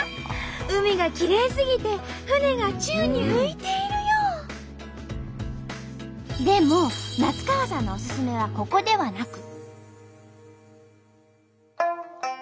海がきれいすぎて船がでも夏川さんのおすすめはここではなく。